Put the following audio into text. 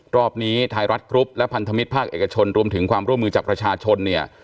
รอบนี้ไทยรัฐกรุ๊ปและพันธมิตรภาคเอกชนรวมถึงความร่วมมือจากประชาชนเนี่ย